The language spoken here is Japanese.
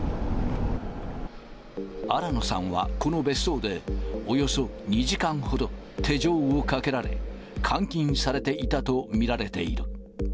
新野さんは、この別荘でおよそ２時間ほど、手錠をかけられ、監禁されていたと見られている。